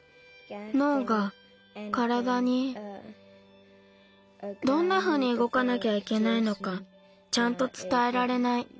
のうがからだにどんなふうにうごかなきゃいけないのかちゃんとつたえられない。